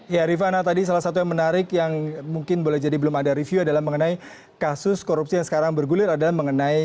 ya rifana tadi salah satu yang menarik yang mungkin boleh jadi belum ada review adalah mengenai kasus korupsi yang sekarang bergulir adalah mengenai